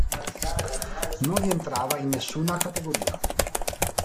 Non rientrava in nessuna categoria.